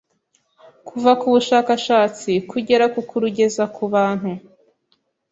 kuva ku bushakashatsi kugera ku kurugeza ku bantu,